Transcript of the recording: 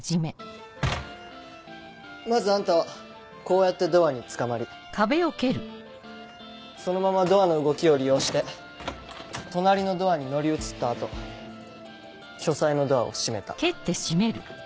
まずあんたはこうやってドアにつかまりそのままドアの動きを利用して隣のドアに乗り移った後書斎のドアを閉めた。